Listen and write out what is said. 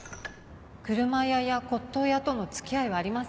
車屋や骨董屋との付き合いはありません。